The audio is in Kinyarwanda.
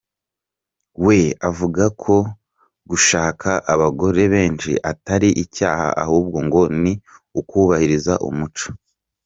We avuga ko gushaka abagore benshi atari icyaha ahubwo ngo ni ukubahiriza umuco.